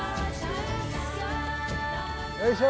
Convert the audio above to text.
よいしょ！